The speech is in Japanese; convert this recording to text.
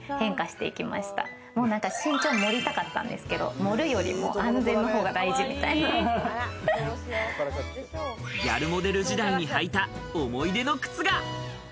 身長を盛りたかったんですけど、盛るよりも安全の方が大事みたいギャルモデル時代に入った思い出の靴が。